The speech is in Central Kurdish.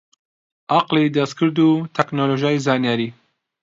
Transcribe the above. عەقڵی دەستکرد و تەکنۆلۆژیای زانیاری